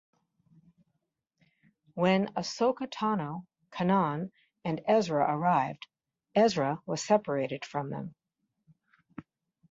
When Ahsoka Tano, Kanan and Ezra arrived, Ezra was separated from them.